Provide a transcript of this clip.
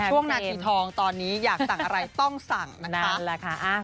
หรือต้องไม่ตับโต๊ะเพราะว่าเดี๋ยวจะจับได้